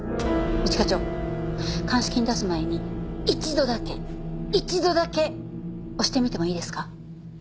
一課長鑑識に出す前に一度だけ一度だけ押してみてもいいですか？